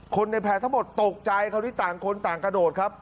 คนในแพ้ทั้งหมดตกใจเขาที่ต่างคนต่างกระโดดครับ